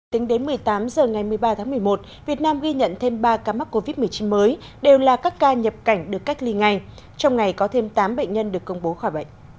tính đến một mươi tám h ngày một mươi ba tháng một mươi một việt nam ghi nhận thêm ba ca mắc covid một mươi chín mới đều là các ca nhập cảnh được cách ly ngay